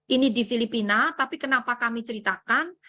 ini di filipina tapi kenapa kami ceritakan